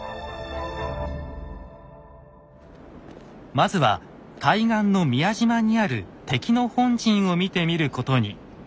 まずは対岸の宮島にある敵の本陣を見てみることに。